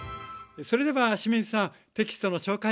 それでは清水さんテキストの紹介